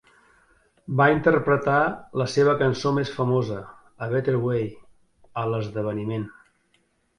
Van interpretar la seva cançó més famosa, "A Better Way", a l'esdeveniment.